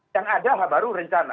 yang ada baru rencana